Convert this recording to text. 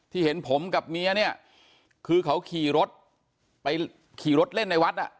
เห็นผมกับเมียเนี่ยคือเขาขี่รถไปขี่รถเล่นในวัดอ่ะ